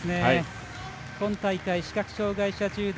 今大会、視覚障がい者柔道